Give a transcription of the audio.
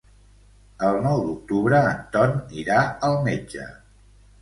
El nou d'octubre en Ton irà al metge.